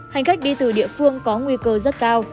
hành khách đi từ địa phương có nguy cơ rất cao